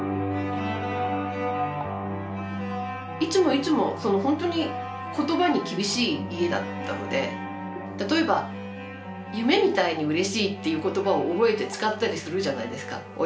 いつもいつもそのほんとに言葉に厳しい家だったので例えば「夢みたいにうれしい」っていう言葉を覚えて使ったりするじゃないですか親の前で。